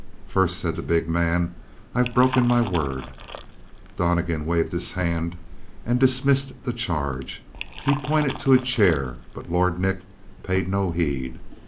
"First," said the big man, "I've broken my word." Donnegan waved his hand and dismissed the charge. He pointed to a chair, but Lord Nick paid no heed.